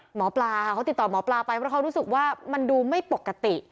หมอปลาค่ะเขาติดต่อหมอปลาไปเพราะเขารู้สึกว่ามันดูไม่ปกติ